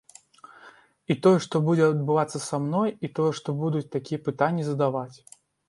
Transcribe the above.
І тое, што будзе адбывацца са мной, і тое, што будуць такія пытанні задаваць.